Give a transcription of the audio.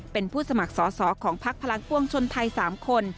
เป็นผู้สมัครสอสสองของภักดิ์พลังค์กว่องชนไทย๓คน